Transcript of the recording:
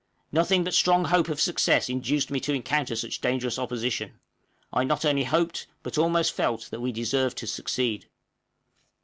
Nothing but strong hope of success induced me to encounter such dangerous opposition. I not only hoped, but almost felt, that we deserved to succeed.